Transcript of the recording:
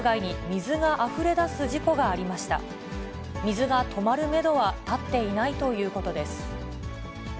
水が止まるメドは立っていないということです。